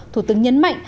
thủ tướng nhấn mạnh